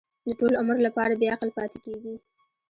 د ټول عمر لپاره بې عقل پاتې کېږي.